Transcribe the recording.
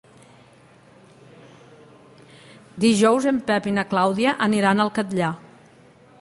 Dijous en Pep i na Clàudia aniran al Catllar.